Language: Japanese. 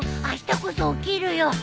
あしたこそ起きるよ。